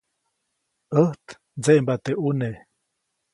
ʼÄjt ndseʼmbaʼt teʼ ʼuneʼ.